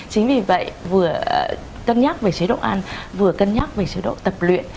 chính vì vậy vừa cân nhắc về chế độ ăn vừa cân nhắc về chế độ tập luyện